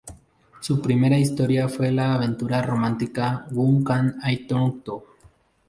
Su primera historia fue la aventura romántica "Whom Can I Turn To?